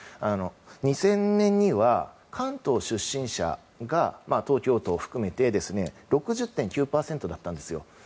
２０００年には関東出身者が東京都を含めて６０．９％だったんですよ。